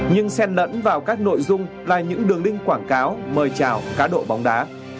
nhưng sen lẫn vào các nội dung là những đường đinh quảng cáo mời trào cá độ bồng đá